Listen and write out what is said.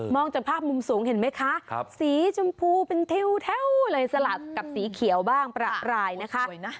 จากภาพมุมสูงเห็นไหมคะสีชมพูเป็นแถวเลยสลัดกับสีเขียวบ้างประรายนะคะ